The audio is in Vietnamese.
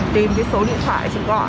tìm cái số điện thoại chị gọi